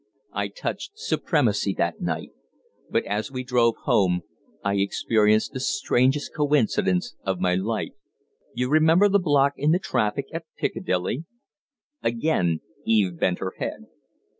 I touched supremacy that night. But as we drove home I experienced the strangest coincidence of my life. You remember the block in the traffic at Piccadilly?" Again Eve bent her head.